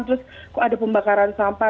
terus kok ada pembakaran sampah